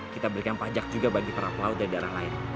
kita berikan pajak juga bagi para pelaut dari daerah lain